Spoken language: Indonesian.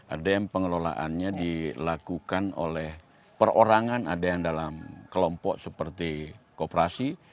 ada yang pengelolaannya dilakukan oleh perorangan ada yang dalam kelompok seperti kooperasi